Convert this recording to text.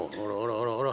ほらほら！